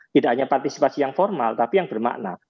tidak hanya partisipasi yang formal tapi yang bermakna